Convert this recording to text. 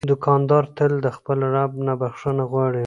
دوکاندار تل د خپل رب نه بخښنه غواړي.